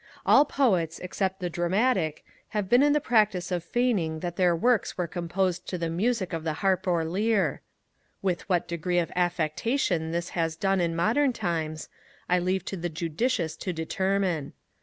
All Poets, except the dramatic, have been in the practice of feigning that their works were composed to the music of the harp or lyre: with what degree of affectation this has done in modern times, I leave to the judicious to determine.